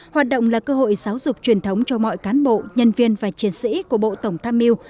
hoạt động là cơ hội giáo dục truyền thống cho mọi cán bộ nhân viên và chiến sĩ của bộ tổng tham mưu